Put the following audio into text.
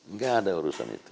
nggak ada urusan itu